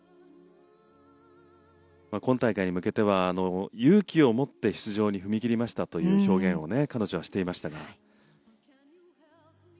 今大会に向けては勇気を持って出場に踏み切りましたという表現を彼女はしていましたが。